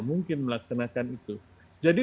mungkin melaksanakan itu jadi